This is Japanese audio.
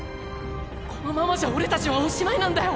このままじゃ俺たちはおしまいなんだよ！！